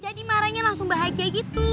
jadi marahnya langsung bahagia gitu